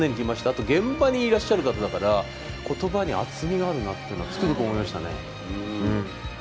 あと現場にいらっしゃる方だから言葉に厚みがあるなというのはつくづく思いましたね。